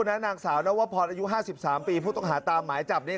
คู่นั้นนางสาวนัวพอร์ตอายุ๕๓ปีผู้ต้องหาตามหมายจับนี้